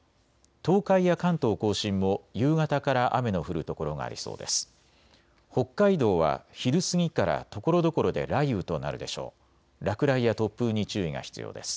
東海や関東甲信も夕方から雨の降る所がありそうです。